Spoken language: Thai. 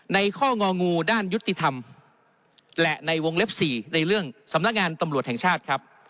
ในข้ององูด้านยุติธรรมและในวงเล็บ๔ในเรื่องสำนักงานตำรวจแห่งชาติครับ